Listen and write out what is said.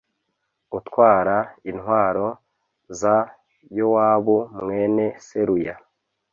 utwara intwaro za yowabu mwene seruya